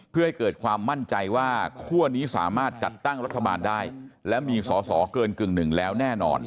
เพื่อให้เกิดความมั่นใจว่าคั่วนี้สามารถจัดตั้งรัฐบาลได้และมีสอสอเกินกึ่งหนึ่งแล้วแน่นอน